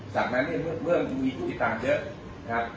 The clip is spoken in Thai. จากนั้นเนี่ยเมื่อมีผู้ติดตามเยอะ